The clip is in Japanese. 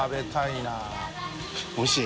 おいしい？